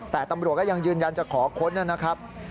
แต่ตำรวจก็ยังยืนยันจะขอค้นนะครับ